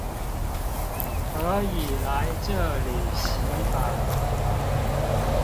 可以來這裡洗版